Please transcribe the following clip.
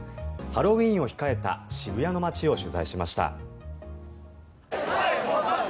ハロウィーンを控えた渋谷の街を取材しました。